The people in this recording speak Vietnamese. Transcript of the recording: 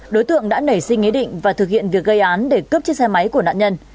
đối tượng đã nảy sinh ý định và thực hiện việc gây án để cướp chiếc xe máy của nạn nhân